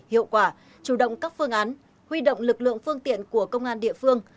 hiệu quả chủ động các phương án huy động lực lượng phương tiện của công an địa phương